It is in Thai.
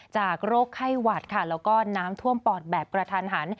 จากโรคไข้หวัดค่ะแล้วก็น้ำท่วมปอดแบบกระทันหัน